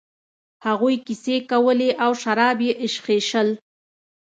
هغوی کیسې کولې او شراب یې ایشخېشل.